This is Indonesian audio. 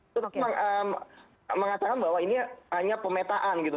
terus mengatakan bahwa ini hanya pemetaan gitu